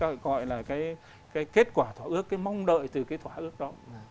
là cái gọi là cái kết quả thỏa ước cái mong đợi từ cái thỏa ước đó